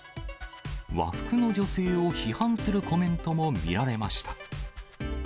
和服の女性を批判するコメントも見られました。